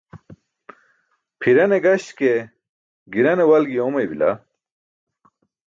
Pʰirane gaśke girane walgi oomaybila.